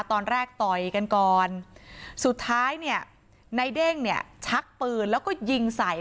ตอนแรกต่อยกันก่อนสุดท้ายนายเด้งชักปืนแล้วก็ยิงใส่